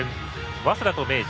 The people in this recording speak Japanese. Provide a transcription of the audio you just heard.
早稲田と明治。